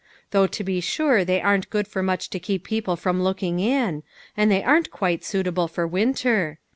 Though to be sure they aren't good for much to keep people from looking in ; and they aren't quite suitable for winter.